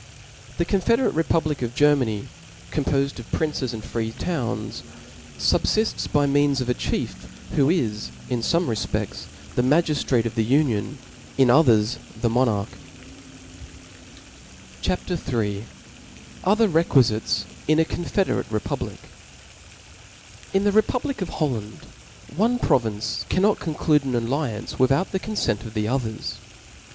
.. The confederate republic of Germany, compofed of princes and free towns, fubfifts by Gieans of ^ chief, who isj io fome refpedls, the .qiagiftrace qf the union, in others, the nionarcji. C HAP. III., . Oiher Reqtfijites in a confederate Republic^ ' T N the republic of Holland one province cannot •*■ conclude an alliance without the confent of the 'Others.